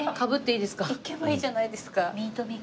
いけばいいじゃないですか。